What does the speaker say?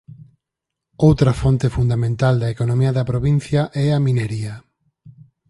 Outra fonte fundamental da economía da provincia é a minería.